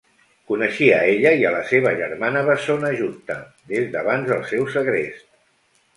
Coneixia a ella i a la seva germana bessona Jutta des d'abans del seu segrest.